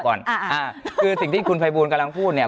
คือสิ่งที่คุณภัยบูลกำลังพูดเนี่ย